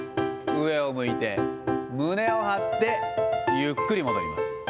上を向いて、胸を張って、ゆっくり戻ります。